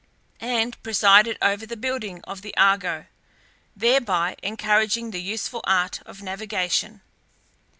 and presided over the building of the Argo, thereby encouraging the useful art of navigation.